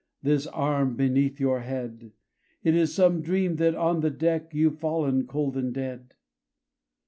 This arm beneath your head! It is some dream that on the deck You've fallen cold and dead.